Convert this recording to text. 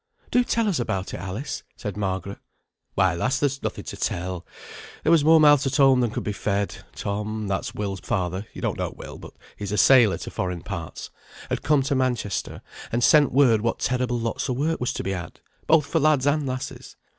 "Do tell us about it, Alice," said Margaret. "Why, lass, there's nothing to tell. There was more mouths at home than could be fed. Tom, that's Will's father (you don't know Will, but he's a sailor to foreign parts), had come to Manchester, and sent word what terrible lots of work was to be had, both for lads and lasses.